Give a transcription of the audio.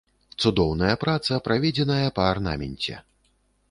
Цудоўная праца, праведзеная па арнаменце.